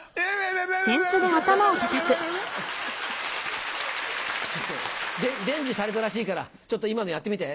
○△□×☆※！伝授されたらしいからちょっと今のやってみて。